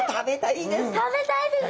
食べたいです！